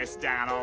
う！